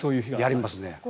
やりますね。